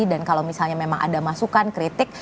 dan kalau misalnya memang ada masukan kritik